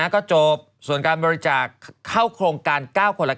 ก็จบส่วนการบริจาคเข้าโครงการ๙คนละ๙